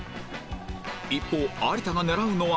一方有田が狙うのは